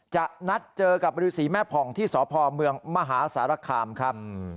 จะนัดเจอกับฤษีแม่ผ่องที่สพเมืองมหาสารคามครับ